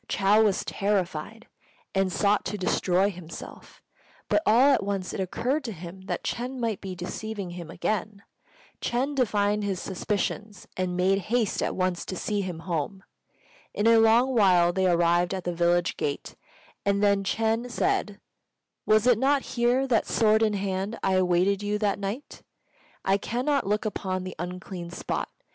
Chou was terrified, and sought to destroy himself; but all at once it occurred to him that Ch'êng might be deceiving him again. Ch'êng divined his suspicions, and made haste at once to see him home. In a little while they arrived at the village gate, and then Ch'êng said, "Was it not here that, sword in hand, I awaited you that night? I cannot look upon the unclean spot.